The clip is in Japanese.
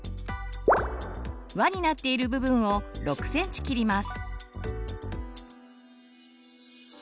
「わ」になっている部分を６ｃｍ切ります。